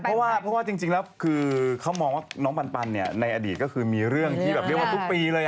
เพราะว่าจริงแล้วคือเขามองว่าน้องปันเนี่ยในอดีตก็คือมีเรื่องที่แบบเรียกว่าทุกปีเลย